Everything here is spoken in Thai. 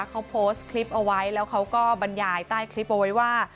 เขาโพสต์คลิปเอาไว้แล้วเขาก็บรรยายใต้คลิปเอาไว้ว่า